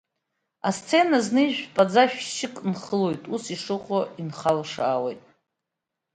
Асцена зны ижәпаӡа шәшьык нахылоит ус ишыҟоу инхылашаауеит.